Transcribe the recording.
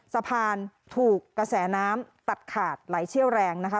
สะพานถูกกระแสน้ำตัดขาดไหลเชี่ยวแรงนะคะ